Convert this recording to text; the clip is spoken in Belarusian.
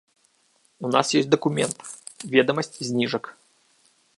У нас ёсць дакумент, ведамасць зніжак.